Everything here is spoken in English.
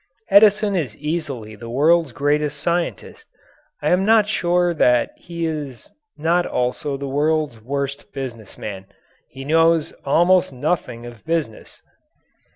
Edison is easily the world's greatest scientist. I am not sure that he is not also the world's worst business man. He knows almost nothing of business.